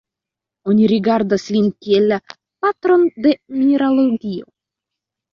Oni rigardas lin kiel la "patron de mineralogio".